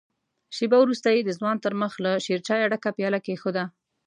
شېبه وروسته يې د ځوان تر مخ له شيرچايه ډکه پياله کېښوده.